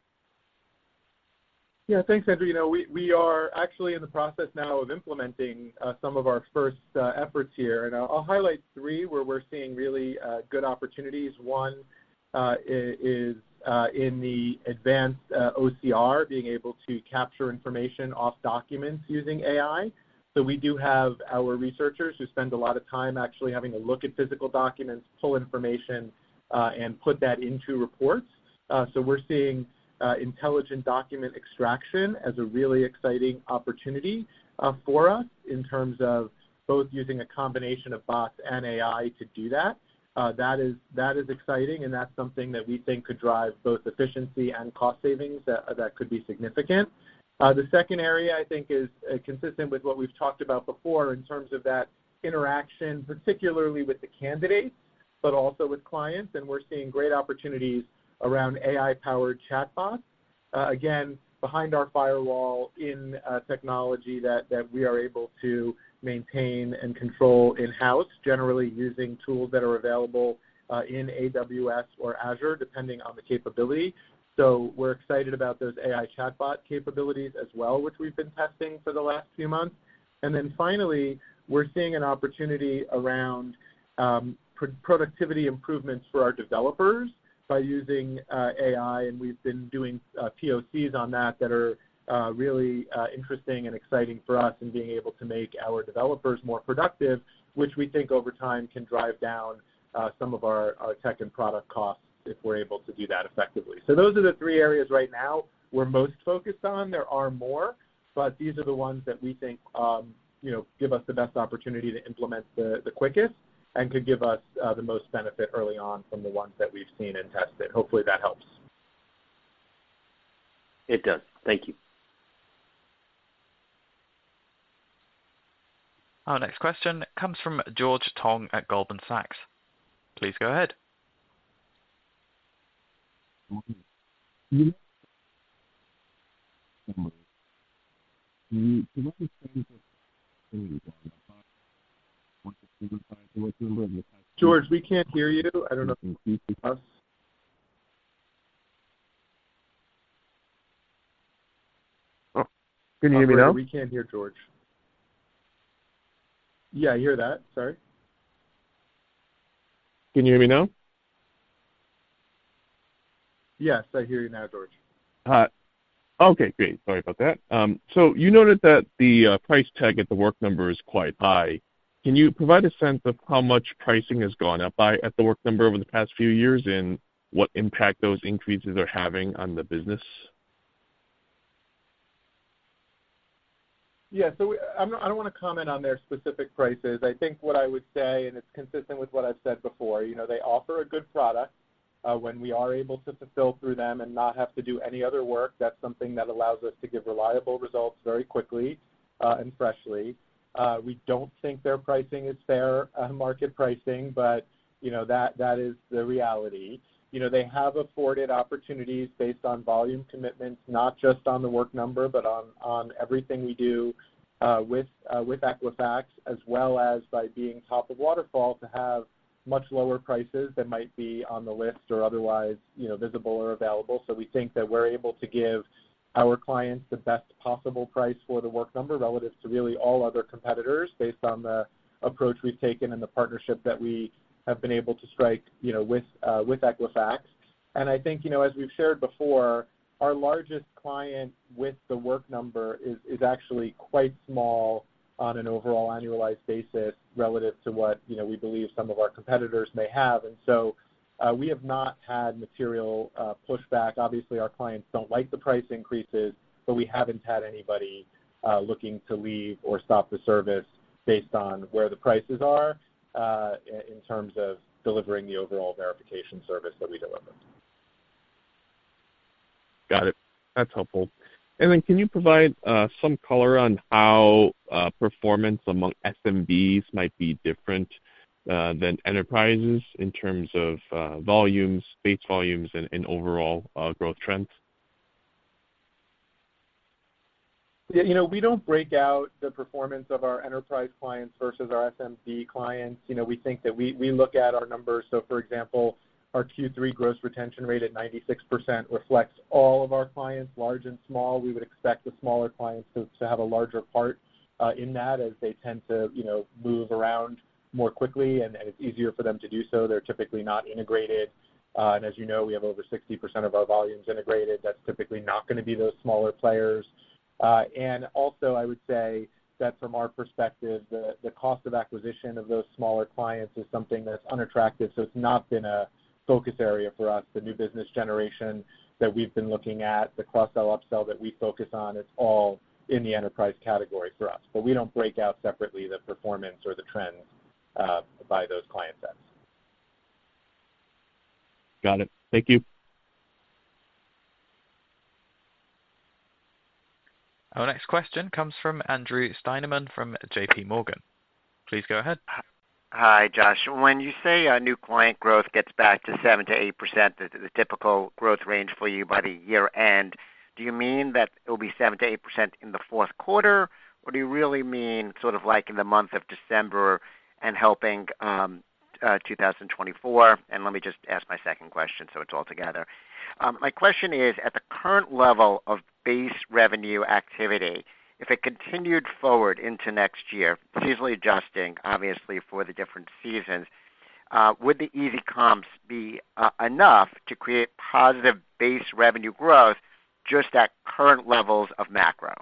Yeah, thanks, Andrew. You know, we, we are actually in the process now of implementing some of our first efforts here. And I'll highlight three where we're seeing really good opportunities. One is in the advanced OCR, being able to capture information off documents using AI. So we do have our researchers who spend a lot of time actually having to look at physical documents, pull information and put that into reports. So we're seeing intelligent document extraction as a really exciting opportunity for us in terms of both using a combination of bots and AI to do that. That is, that is exciting, and that's something that we think could drive both efficiency and cost savings that could be significant. The second area, I think is consistent with what we've talked about before in terms of that interaction, particularly with the candidates, but also with clients, and we're seeing great opportunities around AI-powered chatbots. Again, behind our firewall in technology that we are able to maintain and control in-house, generally using tools that are available in AWS or Azure, depending on the capability. So we're excited about those AI chatbot capabilities as well, which we've been testing for the last few months. Finally, we're seeing an opportunity around pro-productivity improvements for our developers by using AI, and we've been doing POCs on that that are really interesting and exciting for us in being able to make our developers more productive, which we think over time can drive down some of our tech and product costs if we're able to do that effectively. So those are the three areas right now we're most focused on. There are more, but these are the ones that we think, you know, give us the best opportunity to implement the quickest and could give us the most benefit early on from the ones that we've seen and tested. Hopefully, that helps. It does. Thank you. Our next question comes from George Tong at Goldman Sachs. Please go ahead. George, we can't hear you. I don't know if... Can you hear me now? We can't hear George. Yeah, I hear that. Sorry. Can you hear me now? Yes, I hear you now, George. Hi. Okay, great. Sorry about that. So you noted that the price tag at The Work Number is quite high. Can you provide a sense of how much pricing has gone up by at The Work Number over the past few years, and what impact those increases are having on the business? Yeah. So I don't wanna comment on their specific prices. I think what I would say, and it's consistent with what I've said before, you know, they offer a good product, when we are able to fulfill through them and not have to do any other work, that's something that allows us to give reliable results very quickly, and freshly. We don't think their pricing is fair market pricing, but, you know, that is the reality. You know, they have afforded opportunities based on volume commitments, not just on The Work Number, but on everything we do with Equifax, as well as by being top of waterfall, to have much lower prices than might be on the list or otherwise, you know, visible or available. So we think that we're able to give our clients the best possible price for The Work Number relative to really all other competitors, based on the approach we've taken and the partnership that we have been able to strike, you know, with Equifax. I think, you know, as we've shared before, our largest client with The Work Number is actually quite small on an overall annualized basis relative to what, you know, we believe some of our competitors may have. So we have not had material pushback. Obviously, our clients don't like the price increases, but we haven't had anybody looking to leave or stop the service based on where the prices are, in terms of delivering the overall verification service that we deliver. Got it. That's helpful. And then can you provide some color on how performance among SMBs might be different than enterprises in terms of volumes, base volumes, and overall growth trends? Yeah, you know, we don't break out the performance of our enterprise clients versus our SMB clients. You know, we think that we, we look at our numbers. So for example, our Q3 gross retention rate at 96% reflects all of our clients, large and small. We would expect the smaller clients to, to have a larger part in that, as they tend to, you know, move around more quickly, and it's easier for them to do so. They're typically not integrated. And as you know, we have over 60% of our volumes integrated. That's typically not gonna be those smaller players. And also, I would say that from our perspective, the cost of acquisition of those smaller clients is something that's unattractive, so it's not been a focus area for us. The new business generation that we've been looking at, the cross-sell, upsell that we focus on, it's all in the enterprise category for us, but we don't break out separately the performance or the trends by those client sets. Got it. Thank you. Our next question comes from Andrew Steinerman from JP Morgan. Please go ahead. Hi, Josh. When you say, new client growth gets back to 7%-8%, the typical growth range for you by the year-end, do you mean that it will be 7%-8% in the fourth quarter, or do you really mean sort of like in the month of December and helping 2024? And let me just ask my second question, so it's all together. My question is, at the current level of base revenue activity, if it continued forward into next year, seasonally adjusting, obviously, for the different seasons, would the easy comps be enough to create positive base revenue growth just at current levels of macro?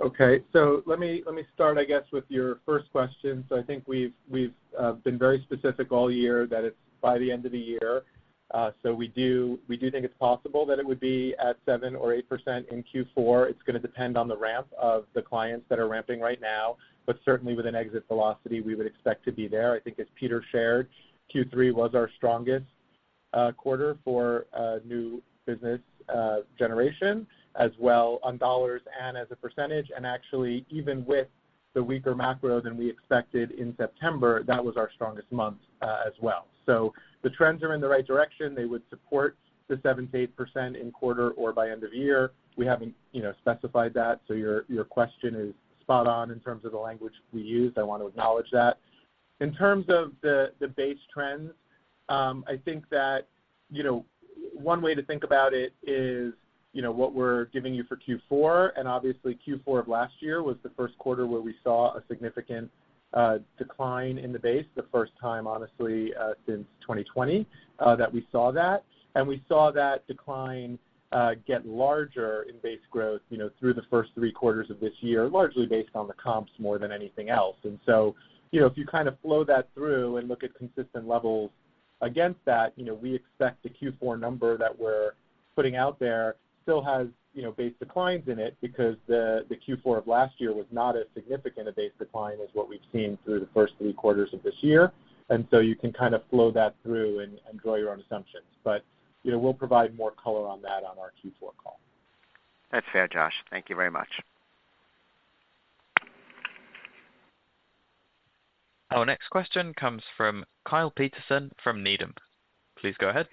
Okay. Let me start, I guess, with your first question. I think we've been very specific all year that it's by the end of the year. So we do think it's possible that it would be at 7% or 8% in Q4. It's gonna depend on the ramp of the clients that are ramping right now, but certainly with an exit velocity, we would expect to be there. I think as Peter shared, Q3 was our strongest quarter for new business generation, as well on dollars and as a percentage. And actually, even with the weaker macro than we expected in September, that was our strongest month as well. So the trends are in the right direction. They would support the 7%-8% in quarter or by end of year. We haven't, you know, specified that, so your, your question is spot on in terms of the language we used. I want to acknowledge that. In terms of the, the base trends, I think that, you know, one way to think about it is, you know, what we're giving you for Q4, and obviously Q4 of last year was the first quarter where we saw a significant decline in the base, the first time, honestly, since 2020, that we saw that. We saw that decline get larger in base growth, you know, through the first three quarters of this year, largely based on the comps, more than anything else. So, you know, if you kind of flow that through and look at consistent levels against that, you know, we expect the Q4 number that we're putting out there still has, you know, base declines in it because the Q4 of last year was not as significant a base decline as what we've seen through the first three quarters of this year. So you can kind of flow that through and draw your own assumptions. But, you know, we'll provide more color on that on our Q4 call. That's fair, Josh. Thank you very much. Our next question comes from Kyle Peterson from Needham. Please go ahead.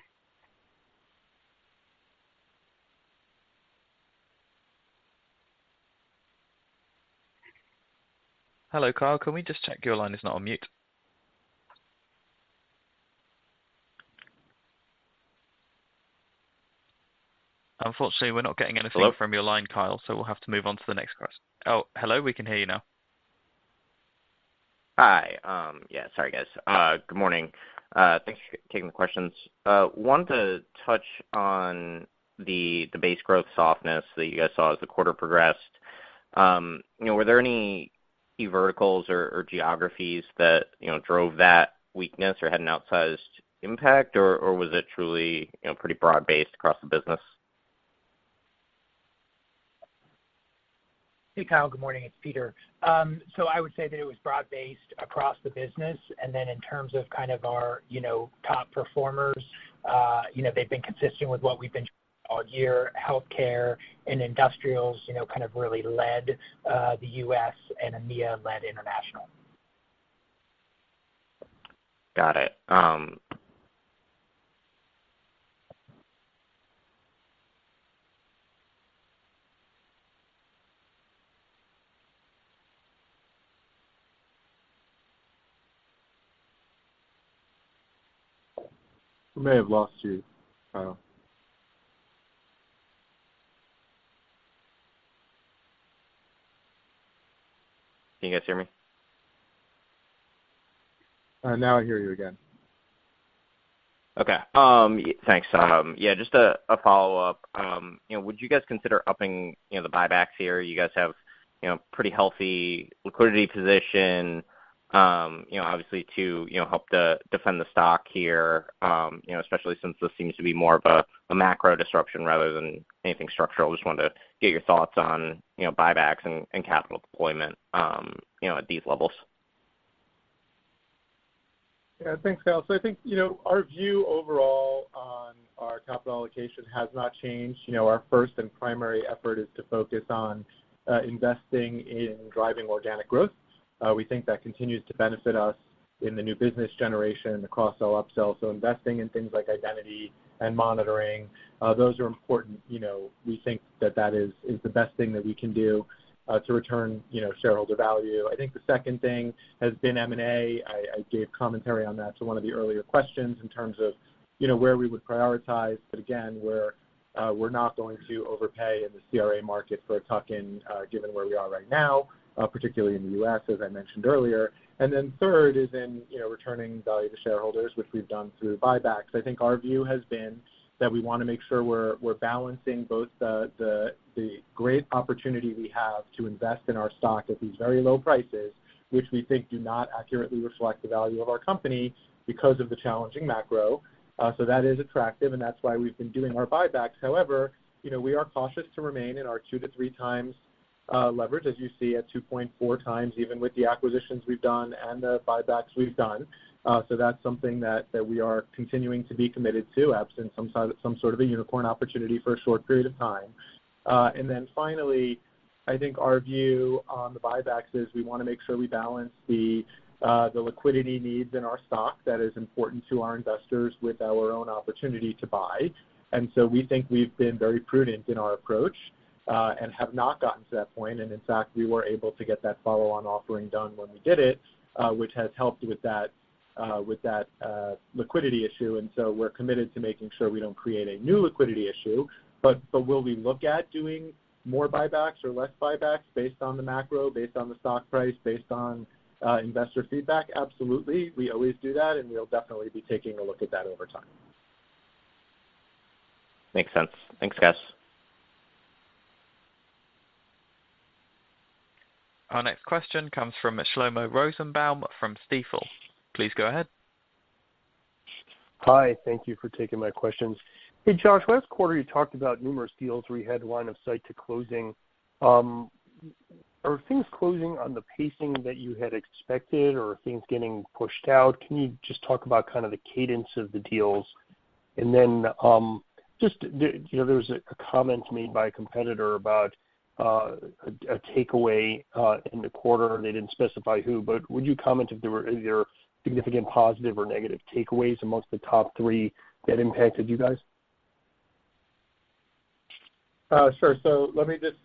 Hello, Kyle, can we just check your line is not on mute? Unfortunately, we're not getting anything- Hello. From your line, Kyle, so we'll have to move on to the next quest. Oh, hello, we can hear you now. Hi. Yeah, sorry, guys. Good morning. Thanks for taking the questions. Wanted to touch on the base growth softness that you guys saw as the quarter progressed. You know, were there any key verticals or geographies that, you know, drove that weakness or had an outsized impact, or was it truly, you know, pretty broad-based across the business? Hey, Kyle. Good morning. It's Peter. So I would say that it was broad-based across the business. Then in terms of kind of our, you know, top performers, you know, they've been consistent with what we've been all year. Healthcare and industrials, you know, kind of really led the U.S., and EMEA led international. Got it... We may have lost you, Kyle. Can you guys hear me? Now I hear you again. Okay, thanks. Yeah, just a follow-up. You know, would you guys consider upping, you know, the buybacks here? You guys have, you know, pretty healthy liquidity position, you know, obviously to, you know, help to defend the stock here, you know, especially since this seems to be more of a macro disruption rather than anything structural. Just wanted to get your thoughts on, you know, buybacks and capital deployment, you know, at these levels. Yeah, thanks, Kyle. So I think, you know, our view overall on our capital allocation has not changed. You know, our first and primary effort is to focus on investing in driving organic growth. We think that continues to benefit us in the new business generation across all upsells, so investing in things like identity and monitoring, those are important. You know, we think that that is the best thing that we can do to return, you know, shareholder value. I think the second thing has been M&A. I gave commentary on that to one of the earlier questions in terms of, you know, where we would prioritize. But again, we're not going to overpay in the CRA market for a tuck-in, given where we are right now, particularly in the U.S., as I mentioned earlier. Third is in, you know, returning value to shareholders, which we've done through buybacks. I think our view has been that we wanna make sure we're balancing both the great opportunity we have to invest in our stock at these very low prices, which we think do not accurately reflect the value of our company because of the challenging macro. So that is attractive, and that's why we've been doing our buybacks. However, you know, we are cautious to remain in our 2-3x leverage, as you see, at 2.4x, even with the acquisitions we've done and the buybacks we've done. So that's something that we are continuing to be committed to, absent some sort of a unicorn opportunity for a short period of time. Finally, I think our view on the buybacks is we want to make sure we balance the, the liquidity needs in our stock that is important to our investors, with our own opportunity to buy. And so we think we've been very prudent in our approach, and have not gotten to that point. And in fact, we were able to get that follow-on offering done when we did it, which has helped with that, with that, liquidity issue. And so we're committed to making sure we don't create a new liquidity issue. But, but will we look at doing more buybacks or less buybacks based on the macro, based on the stock price, based on, investor feedback? Absolutely. We always do that, and we'll definitely be taking a look at that over time. Makes sense. Thanks, guys. Our next question comes from Shlomo Rosenbaum from Stifel. Please go ahead. Hi, thank you for taking my questions. Hey, Josh, last quarter, you talked about numerous deals where you had line of sight to closing. Are things closing on the pacing that you had expected, or are things getting pushed out? Can you just talk about kind of the cadence of the deals? And then, just, you know, there was a comment made by a competitor about a takeaway in the quarter. They didn't specify who, but would you comment if there were either significant positive or negative takeaways amongst the top three that impacted you guys? Sure. So let me just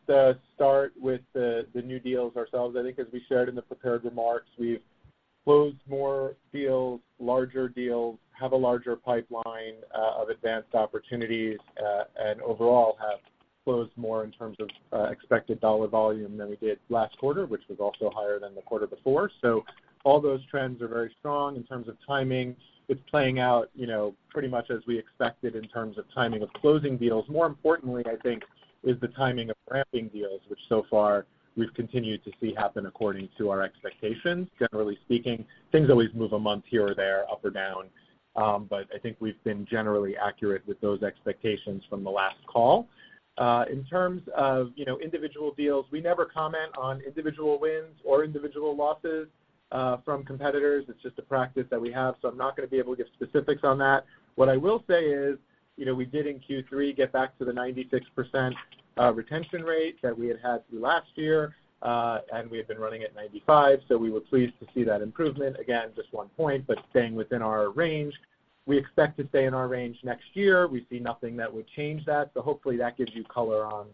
start with the new deals ourselves. I think as we shared in the prepared remarks, we've closed more deals, larger deals, have a larger pipeline of advanced opportunities, and overall, have closed more in terms of expected dollar volume than we did last quarter, which was also higher than the quarter before. So all those trends are very strong. In terms of timing, it's playing out, you know, pretty much as we expected in terms of timing of closing deals. More importantly, I think, is the timing of ramping deals, which so far we've continued to see happen according to our expectations. Generally speaking, things always move a month here or there, up or down. But I think we've been generally accurate with those expectations from the last call. In terms of, you know, individual deals, we never comment on individual wins or individual losses from competitors. It's just a practice that we have, so I'm not going to be able to give specifics on that. What I will say is, you know, we did in Q3 get back to the 96% retention rate that we had had through last year, and we had been running at 95, so we were pleased to see that improvement. Again, just one point, but staying within our range. We expect to stay in our range next year. We see nothing that would change that. So hopefully, that gives you color on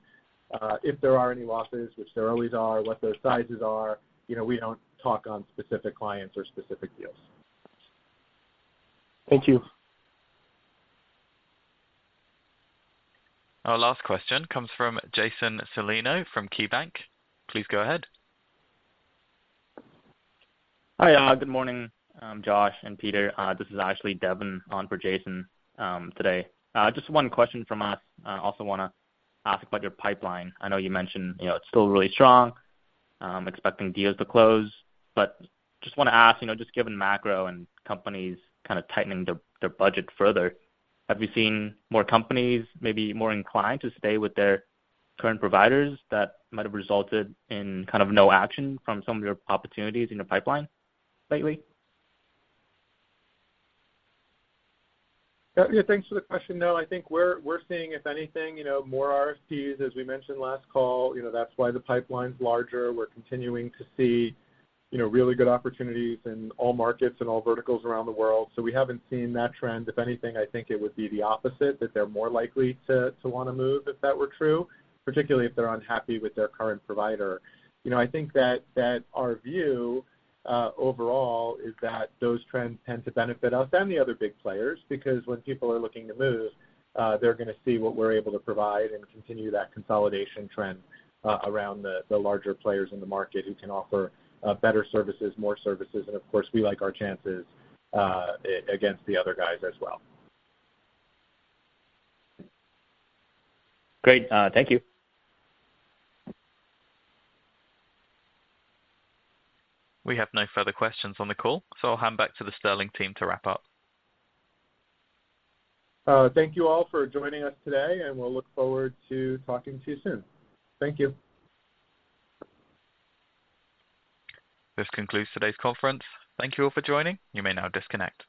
if there are any losses, which there always are, what those sizes are. You know, we don't talk on specific clients or specific deals. Thank you. Our last question comes from Jason Celino from KeyBanc. Please go ahead. Hi, good morning, Josh and Peter. This is actually Devin, on for Jason, today. Just one question from us. I also wanna ask about your pipeline. I know you mentioned, you know, it's still really strong, expecting deals to close. But just want to ask, you know, just given macro and companies kind of tightening their, their budget further, have you seen more companies may be more inclined to stay with their current providers that might have resulted in kind of no action from some of your opportunities in your pipeline lately? Yeah, thanks for the question. No, I think we're seeing, if anything, you know, more RFPs, as we mentioned last call. You know, that's why the pipeline's larger. We're continuing to see, you know, really good opportunities in all markets and all verticals around the world. So we haven't seen that trend. If anything, I think it would be the opposite, that they're more likely to want to move if that were true, particularly if they're unhappy with their current provider. You know, I think that our view overall is that those trends tend to benefit us and the other big players, because when people are looking to move, they're gonna see what we're able to provide and continue that consolidation trend around the larger players in the market who can offer better services, more services, and of course, we like our chances against the other guys as well. Great, thank you. We have no further questions on the call, so I'll hand back to the Sterling team to wrap up. Thank you all for joining us today, and we'll look forward to talking to you soon. Thank you. This concludes today's conference. Thank you all for joining. You may now disconnect.